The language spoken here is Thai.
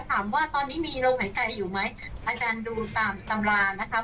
ถามว่าตอนนี้มีลมหายใจอยู่ไหมอาจารย์ดูตามตำรานะครับ